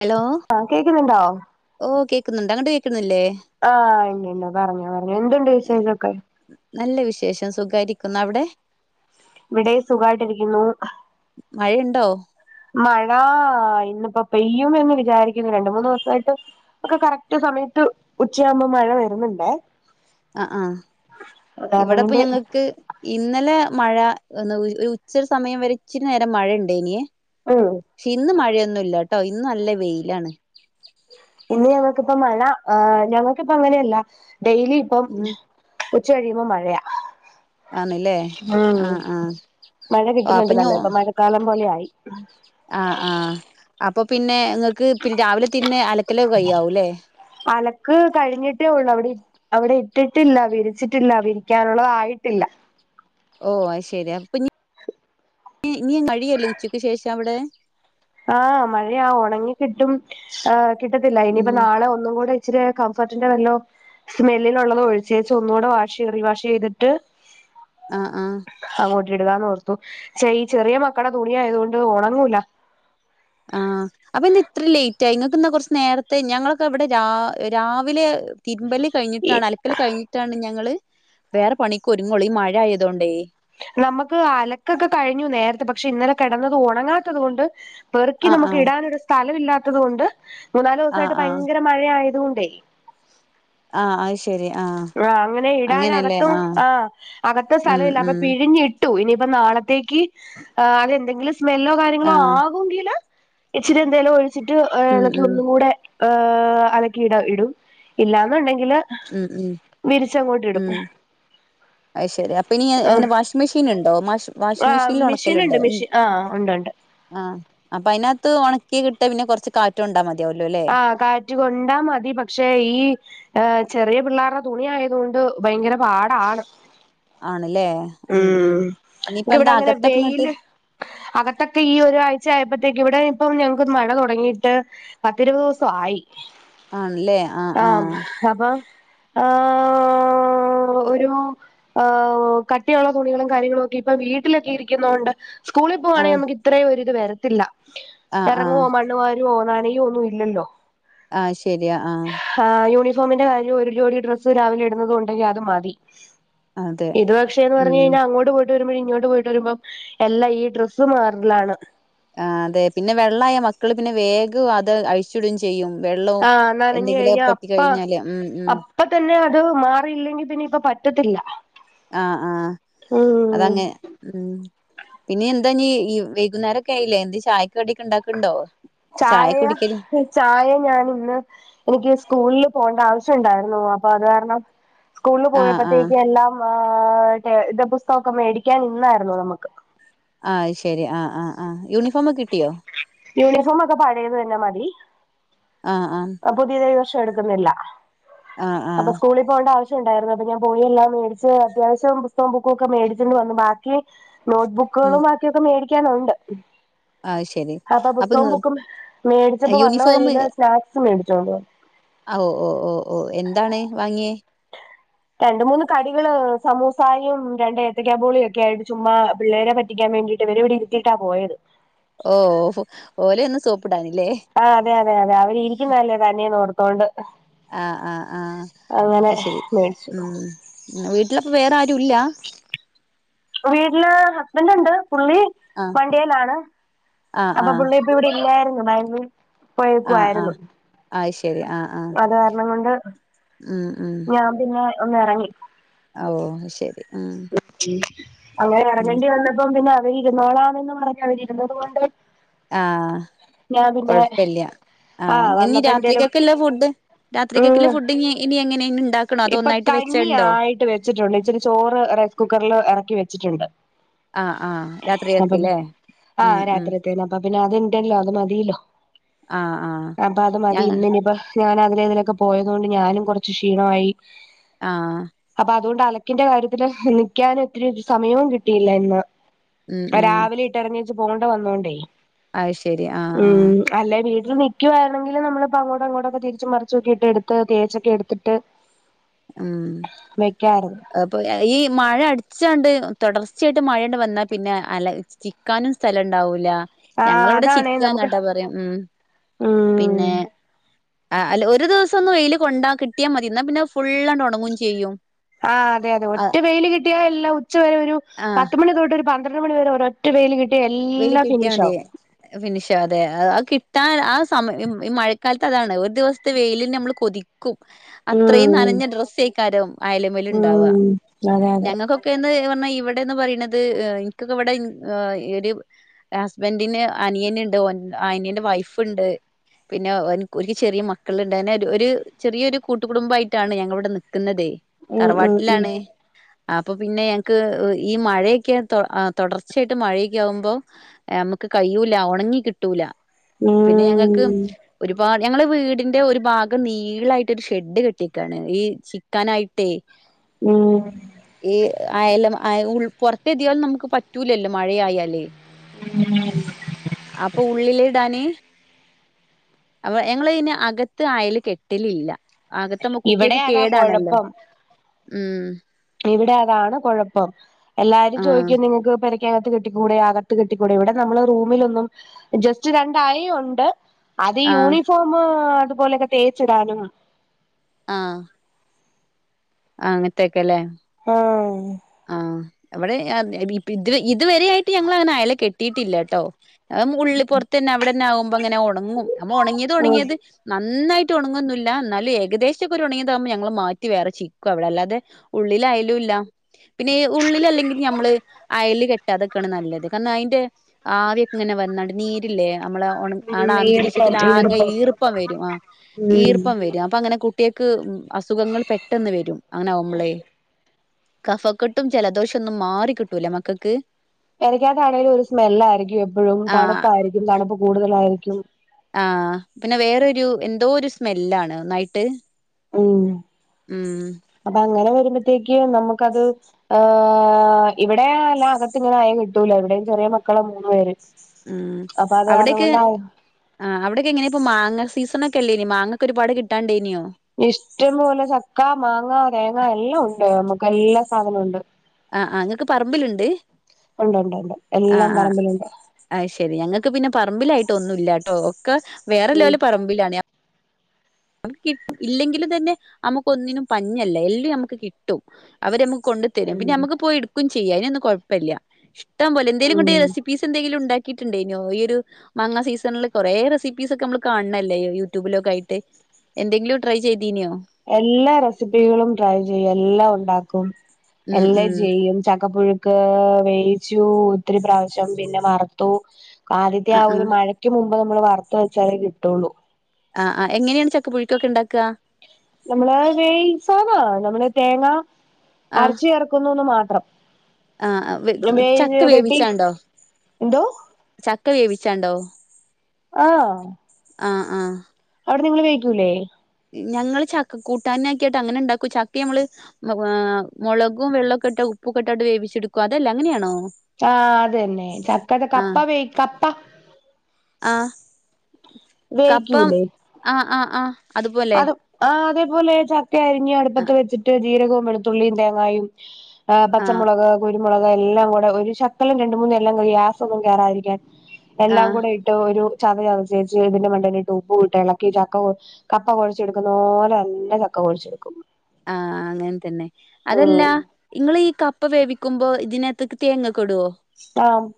Hello ആഹ് കേക്കുന്നുണ്ടോ ഓഹ് കേക്കുന്നുണ്ട് അങ്ങട്ട് കേക്കുന്നില്ലേ. ആഹ് ഇണ്ട് ഇണ്ട് പറഞ്ഞ പറഞ്ഞോ. എന്തുണ്ട് വിശേഷൊക്കെ? നല്ല വിശേഷം സുഗായിരിക്കുന്നു. അവടെ? ഇവിടെ സുഖായിട്ടിരിക്കുന്നു. മഴയുണ്ടോ? മഴ [unintelligible] ഇന്നിപ്പോ പെയ്യും എന്ന് വിചാരിക്കുന്നു. രണ്ട് മൂന്ന് ദിവസായിട്ട് ഒക്കെ കറക്റ്റ് സമയത്ത് ഉച്ചയാവുമ്പോ മഴ വരുന്നുണ്ടെ അഹ് ആഹ് കാരണം ഇവിടെപ്പൊ കൊണ്ട് ഞങ്ങക്ക് ഇന്നലെ മഴ വന്നു. ഒരു ഉച്ച സമയം വരെ ഇച്ചിരി നേരം മഴണ്ടയ്നേ. ഉം. പക്ഷെ ഇന്ന് മഴയൊന്നുല്ല ട്ടോ. ഇന്ന് നല്ല വെയിലാണ്. ഇന്ന് ഞങ്ങക്കിപ്പ മഴ ഞങ്ങക്കിപ്പൊ അങ്ങനെയല്ല ഡെയിലി ഇപ്പം ഉം ഉച്ച കഴിയുമ്പോ മഴയാ. ആണല്ലേ ഉം ആ ആ മഴ ഓ കിട്ടുന്നുണ്ട് അപ്പൊ ഞ നല്ലേ ഇപ്പൊ മഴക്കാലം പോലെ ആയി ആ ആ അപ്പൊ പിന്നെ ങ്ങക്ക് പിന്നെ രാവിലെ തിന്നെ അലക്കലൊക്കെയ്യാവൂല്ലേ അലക്ക് കഴിഞ്ഞിട്ടേ ഒള്ളു അവിടെ അവിടെ ഇട്ടിട്ടില്ല വിരിച്ചിട്ടില്ല വിരിക്കാനുള്ളതായിട്ടില്ല ഓ അയ്ശെരി അപ്പൊ ഇനി [inaudible] നി കഴിയല്ലേ ഉച്ചക്ക് ശേഷം അവ്ടെ ആ മഴയാ ഉണങ്ങി കിട്ടും ആ കിട്ടത്തില്ല ഇനിയിപ്പോ ഉം നാളെ ഒന്നും കൂടെ ഇച്ചിരി കംഫർട്ടിന്റെ വല്ലോം സ്മെല്ലിനുള്ളത് ഒഴിച്ചേച്ച് ഒന്നൂടെ വാഷ് റി വാഷ് ചെയ്തിട്ട് ആഹ് ആഹ് അങ്ങോട്ട് ഇടുകാന്ന് ഓർത്തു പക്ഷേ ഈ ചെറിയെ മക്കടെ തുണിയായതൊണ്ട് ഒണങ്ങൂല ആ അപ്പൊ ന്താ ഇത്ര ലേറ്റ് റായി ഇങ്ങൾക്കിന്നാ കൊർച്ച് നേരത്തെ ഞങ്ങളൊക്കെ ഇവടെ രാ രാവിലെ തിരുമ്പല് ഈ കഴിഞ്ഞിട്ടാണ് അലക്കല് കഴിഞ്ഞിട്ടാണ് ഞങ്ങള് വേറെ പണിക്ക് ഒരുങ്ങോള്ളൂ ഈ മഴായതോണ്ടേ നമ്മക്ക് അലക്കൊക്കെ കഴിഞ്ഞു നേര്ത്തെ പക്ഷെ ഇന്നലെ കെടന്നത് ഒണങ്ങാത്തത് കൊണ്ട് പെറുക്കി ആഹ് നമുക്ക് ആഹ് ഇടാനൊരു സ്ഥലം ഇല്ലാത്തത് കൊണ്ട് മൂന്നാല് ആഹ് ദൂസായിട്ട് ആഹ് ഭയങ്കര മഴ ആയതുകൊണ്ടേ ആ അയ്ശേ ശെരി ആ ആ അങ്ങനെ ഇടാനകത്തും ആ അകത്ത് ഉം സ്ഥലല്ല അപ്പൊ ഉം പിഴിഞ്ഞി ട്ടു ഇനിയിപ്പൊ നാളത്തേക്ക് ആ അതെന്തെങ്കിലും സ്മെല്ലോ കാര്യങ്ങളോ ആ ആഹ് പൂങ്കില് ഇച്ചിരി എന്തേലും ഒഴിച്ചിട്ട് ഉം എളക്കി ഉം ഒന്നും കൂടെ ഹ് അലക്കി ഇടാ ഇടും ഇല്ലാന്നുണ്ടെങ്കില് ഉം ഉം വിരിച്ചങ്ങോട്ടിടും അയ്ശെരി അപ്പൊനി എ എങ്ങനെ വാഷ് മെഷീൻണ്ടോ വാഷ് ആ മെഷീനിൽ മെഷീനുണ്ട് ഒണക്കലുണ്ടോ മെഷീൻ ആ ഉണ്ട്ണ്ട് ആ അപ്പൊ അയ്നാത്ത് ഒണക്കി കിട്ടാ പിന്നെ കൊറ്ച്ച് കാറ്റൊണ്ടൊ മതിയാവല്ലോ ല്ലേ റ്റ് കൊണ്ടാ മതി പക്ഷേ ഈ ഏ ചെറിയ പിള്ളേരുടെ തുണി ആയതൊണ്ട് ഭയങ്കര പാടാണ് ആണ് ല്ലേ ഉം ഉം ഇനിയിപ്പൊ ഇവിടെ ന്താ അങ്ങനെ അകത്തൊക്കെങ്ങട്ട് വെയില് അകത്തൊക്കെ ഈ ഒരാഴ്ചായപ്പോത്തേക്ക് ഇവിടെ ഇപ്പം ഞങ്ങക്ക് മഴ തുടങ്ങീട്ട് പത്തിരുപത് ദിവസൊ ആയി ആണ് ല്ലേ ആ ആ ആഹ് അപ്പൊ ഹാ ഒരു ആ ക ട്ടിയുള്ള തുണികളും കാര്യങ്ങളൊക്കെ ഇപ്പൊ വീട്ടിലൊക്കെ ഇരിക്കുന്നൊണ്ട് സ്കൂളി പോവാണെങ്കി ആഹ് നമുക്കി ത്രയും ഒരിത് വരത്തില്ല ആഹ് എറങ്ങുവോ ആഹ് മണ്ണുവര്യൊ നനയോ ഒന്നും ഇല്ലല്ലോ ആ ശെരിയാ ആ ആ യൂണിഫോമിന്റെ കാര്യൊ ഒരു ജോടി ഡ്രസ്സ് രാവിലെ ഇടുന്നതും ഒണ്ടെങ്കി അത് മതി അതെ എന്ന് പറഞ്ഞ് ഉം കഴിഞ്ഞാ അങ്ങോട്ട് പോയിട്ട് വരുമ്പോഴും ഇങ്ങോട്ട് പോയിട്ട് വരുംമ്പം എല്ലാ ഈ ഡ്രസ്സ് മാറലാണ് ആ അതെ പിന്നെ വെള്ളായ മക്കള് പിന്നെ വേഗം അത് അഴിച്ചിടും ചെയ്യും വെള്ളോം ആഹ് എന്തെങ്കിലും പറ്റി കഴിഞ്ഞാല് ഉം ഉം ഇപ്പൊതന്നെ അത് മാറിയില്ലെങ്കി പിന്നെ ഇപ്പൊ പറ്റത്തില്ല ആ ആ ഉം അതങ്ങെ ഉം ഇനി എന്താ നീ ഈ വൈകുന്നേ രൊക്കെ ആയിലേ എന്തേം ചായക്ക് കടി ഒക്കെണ്ടാക്ക്ണ്ടോ ചായ ചായ ഞാന് ഇന്ന് എനിക്ക് സ്കൂളില് പോണ്ട ആവശ്യംണ്ടായിരുന്നു അപ്പൊ അത് കാരണം സ്കൂളില് ആഹ് ആഹ് പോയപ്പോത്തേക്ക് എല്ലാം ഇത് പുസ്തകമൊക്കെ മേടിക്കാൻ ഇന്നായിരുന്നു നമ്മക്ക് ആഹ് ശെരി ആഹ് ആഹ് ആഹ് യൂണിഫോമൊക്കെ കിട്ടിയോ യൂണിഫോമൊക്കെ പഴേത് തന്നെ മതി ആഹ് ആഹ് പുതിയത് ഈ വർഷം എടുക്കുന്നില്ല ആഹ് ആഹ് അപ്പൊ സ്കൂളിൽ പോകേണ്ട ആവശ്യവുണ്ടായിരുന്നു അപ്പൊ ഞാൻ പോയി എല്ലാം മേടിച്ച് അത്യാവശ്യം പുസ്തകോം ബുക്കും ഒക്കെ മേടിച്ചോണ്ട് വന്നു ബാക്കി ഉം നോട്ട്ബുക്കുകളും ബാക്കിയൊക്കെ മേടിക്കാനുണ്ട് ആഹ് ശരി അപ്പൊ പുസ്തകോം ബുക്കും മേടിച്ചപ്പോ വന്ന യൂണിഫോമ് വഴിയില് സ്നാക്സ് മേടിച്ചോണ്ട് വന്നു ഓ ഓ ഓ ഓ എന്താണ് വാങ്ങിയേ രണ്ടു മൂന്ന് കടികള് സമൂസായയും രണ്ട് ഏത്തക്കബോളിയൊക്കെ ആയിട്ട് ചുമ്മാ പിള്ളേരെ പറ്റി ക്കാൻ വേണ്ടിട്ട് ഇവരെ ഇവിടെ ഇരുത്തിയിട്ടാ പോയത് ഓ ഓ ഓലെ ഒന്നു സോപ്പിടാൻ ഇല്ലേ ആഹ് അതെ അതെ അതെ അവര് ഇരിക്കുന്നതല്ലേ തന്നെ എന്ന് ഓർത്തോണ്ട് ആഹ് ആഹ് ആഹ് അങ്ങനെ അത് ശെരി മേടിച്ചു ഉം വീട്ടിലപ്പൊ വേറെ ആരും ഇല്ലാ [unintelligible] വീട്ടില് ഹസ്ബൻഡ് ഉണ്ട് പുള്ളി ആഹ് വണ്ടിയേലാണ് ആഹ് അപ്പൊ ആഹ് പുള്ളി ഇ ഇവിടെ ഇല്ലായിരുന്നു ബാഗ്ളൂര് ആഹ് പോയേക്കുവായിരുന്നു ആഹ് അത് ശരി ആഹ് ആഹ് അത് കാരണം കൊണ്ട് ഉം ഉം ഞാൻ പിന്നെ ഒന്ന് ഇറങ്ങി ഓ ശെരി ഉം ഉം അങ്ങനെ ഉം ഇറങ്ങേണ്ടി വന്നപ്പോ പിന്നെ അവര് ഇരുന്നാളാന്ന് പറഞ്ഞ് അവര് ഇരുന്നത് കൊണ്ട് ആഹ് ഞാൻ പിന്നെ കൊഴപ്പില്ല്യാ ആ ആഹ് ഇങ്ങന നീ വന്നപ്പോ എന്തേലും രാത്രിക്കൊക്കല്ല ഫുഡ് രാത്രിക്കൊക്കല്ല ഉം ഫുഡ് ഇനി ഇനി എങ്ങനെയ ഉണ്ടാ ഇപ്പൊ കഞ്ഞി ആയിട്ട് വെച്ചിട്ടുണ്ട് ഇച്ചിരി ചോറ് റൈസ് കുക്കറില് ഇറക്കി വെച്ചിട്ടുണ്ട് ആഹ് ആഹ് രാത്രി അപ്പൊ ഒക്കെല്ലേ ഉം ആഹ് ഉം രാത്രിത്തേന് അപ്പൊ പിന്നെ അതുണ്ടല്ലോ അത് മതീല്ലോ ആഹ് ആഹ് അപ്പൊ അത് ഞ മതി ഇന്ന് ഇനിപ്പോ ഞാൻ അതിലെ ഇതിലൊക്കെ പോയത് കൊണ്ട് ഞാനും കുറച്ച് ക്ഷീണമായി ആഹ് അപ്പൊ അതുകൊണ്ട് അലക്കിന്റെ കാര്യത്തില് നിൽക്കാൻ ഒത്തിരി സമയവും കിട്ടിയില്ല ഇന്ന് ഉം ഉം രാവിലെ ഇട്ടറിഞ്ഞേച്ച് പോകേണ്ട വന്നോണ്ടേ അത് ശെരി ആഹ് ആഹ് ഉം അല്ലെ വീട്ടിൽ നിക്കുവായിരുന്നെങ്കില് നമ്മള് ഇപ്പോ അങ്ങോട്ടും ഇങ്ങോട്ടുവൊക്കെ തിരിച്ച് മറിച്ച് ഒക്കെ ഇട്ട്എടുത്ത് തേച്ചൊക്കെ എടുത്തിട്ട് ഉം വെക്കായിരുന്നു അ ഇപ്പൊ ഈ മഴ അടിച്ചാണ്ട് തുടർച്ചയായിട്ട് മഴയണ്ട് വന്നാൽ പിന്നെ അലച്ചി വെക്കാനും സ്ഥലംണ്ടാവൂല ആഹ് ഞങ്ങളവിടെ അതാണേ ചിക്കാന്ന നമുക്ക് കേട്ടാ പറയാ ഉം ഉം പിന്നെ ആഹ് അല്ല ഒരു ദിവസം ഒന്ന് വെയില് കൊണ്ടാ കിട്ടിയാ മതി എന്നാ പിന്നെ ഫുള്ള്അങ്ങട് ഉണങ്ങുകയും ചെയ്യും ആഹ് അതെ അതെ ഒറ്റ വെയില് കിട്ടിയാ എല്ലാം ഉച്ച വരെ ഒരു ആഹ് പത്ത്മണി തൊട്ട് ഒരു പന്ത്രണ്ട് മണി വരെ ഓരൊ ഒറ്റ വെയില് കിട്ടിയാ എല്ലാം ഫിനിഷ് ആവും ഫിനിഷാ അതെ ആ കിട്ടാൻ ആഹ് സമയ ഈ മഴക്കാലത്ത് അതാണ് ഒരു ദിവസത്തെ വെയിലിന് നമ്മള് കൊതി അത്രയും ഉം നനഞ്ഞ ഡ്രസ്സ്ക്കാരം അയല്മേൽ ഉണ്ടാവുക ഉം അതെ അതെ ഞങ്ങൾക്കൊ ക്കെന്ന് പറഞ്ഞാൽ ഇവിടെന്ന് പറയണത് എനിക്കൊക്കെ ഇവിടെ ഹസ്ബന്റിന് അനിയന്ണ്ട്. അനിയന്റെ വൈഫ്ണ്ട്. പിന്നെ ഓൻക്ക് ഓല്ക്ക് ചെറിയ മക്കള്ണ്ട്. അങ്ങനെ ഒരു ചെറിയൊരു കൂട്ടുകുടുംബായിട്ടാണ് ഞങ്ങള് ഇവിടെ നിക്കുന്നത് ഉം ഉം ഉം തറവാട്ട്ലാണ് അപ്പൊ പിന്നെ ഞങ്ങക്ക് ഈ മഴയൊക്കെ തൊടർച്ചയായിട്ട് മഴയൊക്കെ ആമ്പോ ഏ അമ്മക്ക് കയ്യൂല. ഒണങ്ങി കിട്ടൂല പിന്നെ ഉം ഞങ്ങക്ക് ഒരുപാട് ഞങ്ങള് വീടിന്റെ ഒരു ഭാഗം നീളായിട്ട് ഒരു ഷെഡ് കെട്ടിയക്കാണ് ഈ ചിക്കാനായിട്ടേ [unintelligible] ഉം ഈ അയ്ലും ഉ പൊർത്തേതായാലും നമുക്ക് പറ്റൂലല്ലോ മഴയാല് [unintelligible] അപ്പൊ ഉള്ളില് ഇടാന് അ ഞങ്ങളയ്ന് അകത്ത് അയ്ല് കെട്ടലില്ല അകത്താമ്പോ ഇവിടെ കുട്ട്യേക്ക് അതാ കേടാണല്ലോ കൊഴപ്പം ഉം ഇവിടെ അതാണ് കൊഴപ്പം എല്ലാരും ആഹ് ചോദിക്കും നിങ്ങക്ക് പെര ക്കകത്ത് കെട്ടികൂടെ അകത്ത് കെട്ടികൂടെ ഇവിടെ നമ്മള് റൂമിലൊന്നും ജസ്റ്റ് രണ്ടായി ഉണ്ട് അത് ആഹ് യൂണിഫോം അതുപോലെയൊക്കെ തേച്ചിടാനും. ആഹ്. അങ്ങത്തെക്കെല്ലേ. ആഹ്. ആഹ്. ഇവടെ ഇത് ഇതുവരെ ആയിട്ട് ഞങ്ങള് അങ്ങനെ അയല കെട്ടിയിട്ടില്ലട്ടോ. അത് ഉള്ള് പൊർത്തന്നെ അവിടെന്നെ ആകുമ്പോങ്ങനെ ഒണങ്ങും. നമ്മ ഒണങ്ങിയത് ഒണങ്ങിയത്. നന്നായിട്ട് ഒണങ്ങൊന്നുല്ല. എന്നാലും ഏകദേശംക്കെ ഒരു ഒണങ്ങിയതാകുമ്പോ ഞങ്ങൾ മാറ്റി വേറെ ചിക്കും അവിടെ അല്ലാതെ ഉള്ളില് അയലുല്ല. പിന്നെ ഉള്ളിൽ അല്ലെങ്കിലും നമ്മള് അയല് കെ ട്ടാത്ക്കാണ് നല്ലത്. കാരണം അയിന്റെ ആവിയൊക്കെ ഇങ്ങനെ വന്നാണ്ട് നീരില്ലേ നമ്മളെ. ഉം ആടെ ഈർപ്പം അന്തരീക്ഷത്തിലാകെ ഈർപ്പം വരും. ആഹ്, ഉം ഈർപ്പം വരും അപ്പൊങ്ങനെ. കുട്ട്യേക്ക് അസുഖങ്ങൾ പെട്ടെന്ന് വരും അങ്ങനെ ആമ്പളേയ് കഫക്കെട്ടും ജലദോഷന്നും മാറി കിട്ടൂല മക്കക്ക് പെരക്കാതാണെങ്കിലും ഒരു സ്മെല്ലായിയിരിക്കും എപ്പോഴും ആ തണുപ്പായിരിക്കും തണുപ്പ് കൂടുതലായിരിക്കും. ആഹ് പിന്നെ വേറൊരു എന്തോ ഒരു സ്മെല്ലാണ് ഒന്നായിട്ട് ഉം ഉം. അപ്പങ്ങനെ വരുമ്പത്തേക്ക് നമുക്കത്. ആഹ് ഇവിടെ യല്ല അകത്ത് ഇങ്ങനെ അയ കെട്ടൂല ഇവിടേം ചെറിയ മക്കളാ മൂന്ന് പേര്. ഉം അപ്പൊ അത് കാരണം അവിടക്കെ. കൊണ്ട് അയ ആഹ്. അവ്ടൊക്കെ എങ്ങനേപ്പോ മാങ്ങ സീസണൊക്കെ അല്ലേയ്നോ മാങ്ങക്കെ ഒരുപാട് കിട്ടാണ്ടയ്നിയോ? ഇഷ്ടംപോലെ ചക്ക, മാങ്ങ, തേങ്ങ എല്ലാം ഉണ്ട്. നമ്മുക്ക് എല്ലാ സാധനം ഉണ്ട്. ആഹ് ആഹ്. ഇങ്ങക്ക് പറമ്പില്ണ്ട്. ഉണ്ട്ണ്ട് ഉണ്ട്. എല്ലാം ആഹ് ആഹ് പറമ്പിലുണ്ട് അയ്ശരി. ഞങ്ങക്ക് പിന്നെ പറമ്പിലായിട്ട് ഒന്നൂല്ലാട്ടോ. ഒക്കെ ഉം വേറെല്ലോലെ പറമ്പിലാണ്. നമുക്ക് കി ഇല്ലെങ്കിലും തന്നെ നമുക്ക് ഒന്നിനും പഞ്ഞല്ല. എല്ലാം നമുക്ക് കിട്ടും. അവരമ്മുക്ക് കൊണ്ട്. തരും. ഉം പിന്നെ മ്മക്ക് പോയി ഇട്ക്കും ചെയ്യ. അയിനൊന്നും കൊഴ്പ്പല്ലാ. ഇഷ്ട്ടം പോലെ എന്തേലും കൊണ്ട് ഉം റെസിപ്പി പീസ് എന്തേങ്കിലും ഇണ്ടാക്കിയിട്ടുണ്ടയ്നോ ഈ ഒരു മാങ്ങ സീസണ്ല് കൊറേ റെസിപ്പീസൊക്കെ നമ്മള് കാണണല്ലേ യൂട്യൂബിലൊക്കെ ആയിട്ട്. എന്തെങ്കിലും ട്രൈ ചെയ്തീന്യോ? എല്ലാ റെസിപ്പികളും ട്രൈ ചെയ്യും. എല്ലാം ഉണ്ടാക്കും. ഉം എല്ലാം ഉം ചെയ്യും ചക്കപ്പുഴു ക്ക് വേവിച്ചു ഒത്തിരി പ്രാവിശ്യം പിന്നെ വറ്ത്തു ആ ആദ്യത്ത്യാ ആ ഒരു മഴ ക്ക് മുമ്പ് നമ്മള് വർത്ത്‌ വെച്ചാലേ കിട്ടൊള്ളൂ. ആഹ് ആഹ് എങ്ങനെണ് ചക്ക പുഴുക്കൊക്കെണ്ടാക്ക? നമ്മള് വേയി സാധാ നമ്മള് തേങ്ങ അരച്ചേർക്കുന്നുന്ന് മാത്രം. ആഹ് ആഹ് വ് വേ ചക്ക വെട്ടി വേവിച്ചാണ്ടോ എന്തോ ചക്ക വേവിച്ചാണ്ടോ? ആഹ് ആഹ് ആഹ്. അവടെ നിങ്ങള് വേവിക്കൂല്ലേ? ഞങ്ങള് ചക്കക്കൂട്ടാനാക്ക്യാട്ട് അങ്ങനെണ്ടാക്കും ചക്ക്യമ്മള് ഏഹ് മൊളകും വെള്ളൊക്കെട്ട് ഉപ്പുക്കെട്ടാട്ട് വേവിച്ചെട്ക്കും അതെല്ലേ അങ്ങന്യാണോ? ആഹ് അതെന്നെ ചക്കടെ കപ്പ വേവി കപ്പ. ആഹ് കപ്പം വേവിക്കൂലേ ആഹ് ആഹ് ആഹ്. അതുപോലെ അത് ആഹ് അതേപോലെ ചക്ക അരിഞ്ഞ് അട്പ്പത്ത് ആഹ് വെച്ചിട്ട് ജീരകോം വെളുത്തുള്ളീം തേങ്ങായും ആഹ് പച്ചമുളക് കുരു മുളക് എല്ലാം കൂടെ ഒരു ശക്കലം രണ്ട് മൂന്നും എല്ലാം [unintelligible] ഗ്യാസൊന്നും കേറാതിരിക്കാൻ എല്ലാം ആഹ് കൂടെ ഇ ട്ട് ഒരു ചത ചതച്ചേച്ച് ഇതിന്റെ മണ്ടേലെക് ഉപ്പുട്ടെളക്കി ചക്ക കൊ കപ്പ കൊഴിച്ചെടുക്കുന്നോലെന്നെ ചക്ക കൊഴച്ചെട്ക്കും. ആഹ് അങ്ങൻ തെന്നെ അതല്ലാ ഉം ഇങ്ങളീ കപ്പ വേവിക്കുമ്പോ ഇതിനത്ത്ക്ക് തേങ്ങ കെടോ? ആഹ്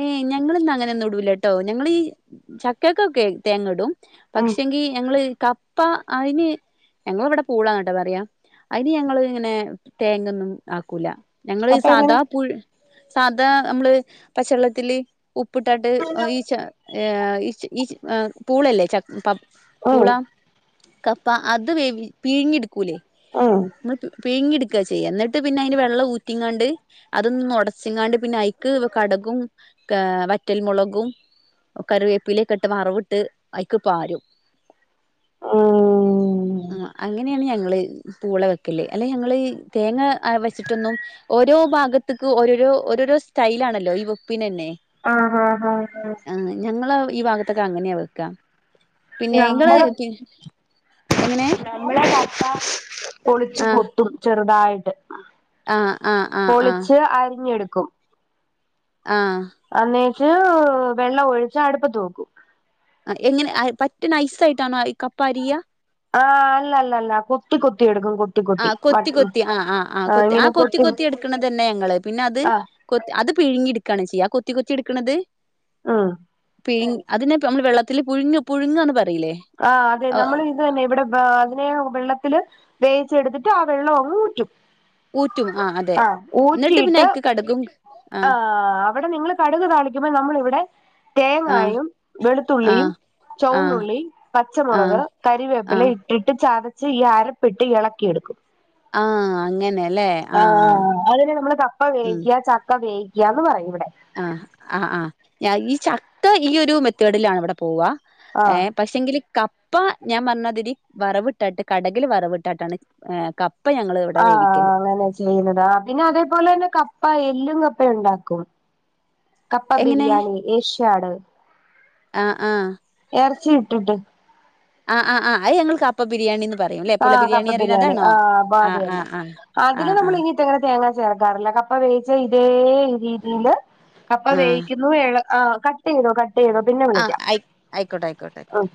ഏയ് ഞങ്ങള്ന്ന ങ്ങനെന്നുടൂലട്ടോ ഞങ്ങളീ ചക്കക്കൊക്കെ തേങ്ങടും ഉം പക്ഷെങ്കി ഞങ്ങള് കപ്പ അയ്ന് ഞങ്ങവ്ടെ പൂള ന ട്ടോ പറയാ അയ്ന് ഞങ്ങള് ങ്ങനെ തേങ്ങൊന്നും ആക്കൂല ഞങ്ങള് അപ്പ എങ്ങനെ സാധാ പുഴ് സാധാ അമ്മള് പചെള്ളത്തില് ഉപ്പ്‌ട്ടാട്ട് ഒ ഈ ച ഏഹ് ഇച് ഇച് എഹ് പൂളല്ലേ ച പ ഉം പൂളാ കപ്പ അത് വേവി പിഴിങ്ങി ട്ക്കൂല്ലേ ഉം നമ്മൾ പ് പിഴിങ്ങിട്ക്ക ചെയ്യ ന്നട്ട് പിന്നെ അയ്ന്റെ വെള്ളം ഊറ്റിങ്ങാണ്ട് അതൊന്നൊടച്ച്ങ്ങാണ്ട് പിന്നയ്ക്ക് കടകും ഏഹ് വറ്റൽ മുളകും ക്കറിവേപ്പിലെക്കെട്ട് വറവ്ട്ട് അയ്ക്ക് പാരും. ഉം ആഹ് അങ്ങനെണ് ഞ ങ്ങള് പൂള വെക്കല് അല്ലെ ഞങ്ങളീ തേങ്ങ ആ വെച്ച്ട്ടൊന്നും ഓരോ ഭാഗത്ത്ക്ക് ഓരോരോ ഓരോരോ സ്റ്റൈലാണല്ലോ ഈ വെപ്പിനെന്നെ. ആഹ് ഹാ ഹാ ഹാ. ഞങ്ങള് ഈ ഭാഗത്തൊക്കെ അങ്ങന്യ വെക്കാ. പിന്നെ ഇങ്ങള് നമ്മള് പി എങ്ങനെ? ഇബടെ കപ്പ ഒളിച്ചു ആ കൊത്തും ചെറ്തായിട്ട്. ആ ആ ആ ആ പൊളിച്ച് അരിഞ്ഞെട്ക്കും. ആഹ് അന്നേച്ച് വെള്ളം ഒഴിച്ച് അട്പ്പത് വെക്കും. ആഹ് എങ്ങനെ അത് പറ്റെ നൈസായിട്ടാണോ ഈ കപ്പാരിയ? ആഹ് അല്ല ല്ലല്ല കൊത്തി കൊത്തി എട്ക്കും കൊ ആഹ് കൊത്തി കൊത്തി ആഹ് ആഹ് ആഹ് ആഹ് ആ കൊത്തി കൊത്തി എട്ക്ണെതെന്നെ ഞങ്ങള് പിന്നത് ആഹ് കൊത് അത് പിഴിങ്ങി ട്ക്കാണ് ചെയ്യ ആ കൊത്തി കൊത്തി ട്ക്ക്ണത്. ആഹ് പി അതിനെ ഇപ്പ നമ്മള് വെള്ളത്തില് പുഴുങ്ങ് പുഴുങ്ങന്ന് പറയിലേ? ആഹ് അതെ നമ്മള് തന്നെ ഇവിടെ അതിനെ വെള്ളത്തില് വേവിച്ചെടുത്തിട്ട് ആ വെള്ളം അങ്ങ് ഊറ്റും. ഊറ്റും ആഹ് അതെ എന്നിട്ട് പിന്നെ അയ്ക്ക് കടുകും ആഹ് അവടെ നിങ്ങള് കടുക് താളിക്കുമ്പോ നമ്മൾ ഇവിടെ ആഹ് തേങ്ങായും വെളുത്തുള്ളിയും ആഹ് ആഹ് ചുവന്നുള്ളി ആഹ് പച്ചമുളക് കരിവേപ്പില ആഹ് ഇ ഇട്ട് ചതച്ച് ഈ അരപ്പിട്ട് എളക്കിയെടുക്കും. ആഹ് അങ്ങനെല്ലേ ആഹ് അതിന് നമ്മള് കപ്പ ഉം വേവിക്ക ച ക്ക വേവിക്കാന്ന് പറയും ഇവിടെ. ആഹ് ആഹ് ആഹ് ഞാ ഈ ചക്ക ഈ ഒരു മെത്തേഡിലാണ് ഇവടെ പോവ ആഹ് ഏഹ് പക്ഷെങ്കില് കപ്പ ഞാൻ പർഞാതിരി വറവിട്ടാട്ട് കടകിൽ വറവ്ട്ടാട്ടാണ് ക ആഹ് അങ്ങനെ ചെയ്യുന്നത് ആഹ് പിന്നെ അതേ പോലെ തന്നെ കപ്പ എല്ലും കപ്പ ഉണ്ടാക്കും. കപ്പ എങ്ങനെ ബിരിയാണി ഏഷ്യാട് ആഹ് ആഹ്. എറച്ചി ഇട്ടിട്ട്. ആഹ് ആഹ് ആഹ് അയ് ഞങ്ങൾ കപ്പ ബിരിയാണിന്ന് പറയും ല്ലെ പുള ആഹ് കപ്പ അറിണ ബിരിയാണി അതാണോ ആഹ് പ്പ ആഹ് അതന്നെ ആഹ് ആഹ് അതില് നമ്മൾ ആഹ് ഇനി ങ്ങനെ തേങ്ങ ചേരക്കാറില്ല കപ്പ വേവിച്ച ഇതേ രീതില് കപ്പ ആഹ് വേവിക്കുന്നു ഇള ആഹ് കട്ടെയ്തോ കട്ടെയ്തോ പിന്നെ ആഹ് വിളിക്കാം ആഹ് ആയിക്കോട്ടെ ആയിക്കോട്ടെ ആയിക്കോട്ടെ ആഹ്.